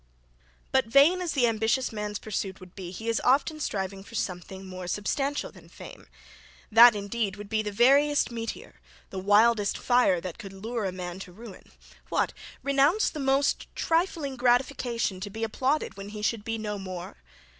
But, vain as the ambitious man's pursuit would be, he is often striving for something more substantial than fame that indeed would be the veriest meteor, the wildest fire that could lure a man to ruin. What! renounce the most trifling gratification to be applauded when he should be no more!